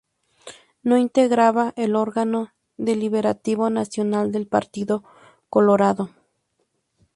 No integraba el Órgano Deliberativo Nacional del Partido Colorado.